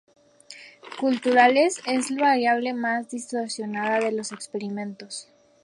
Culturales: es la variable que más distorsiona los experimentos.